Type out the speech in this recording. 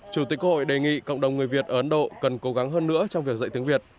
chủ tịch quốc hội đề nghị cộng đồng người việt ở ấn độ cần cố gắng hơn nữa trong việc dạy tiếng việt